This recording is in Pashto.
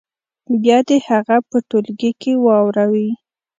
بیا دې هغه په ټولګي کې واوروي.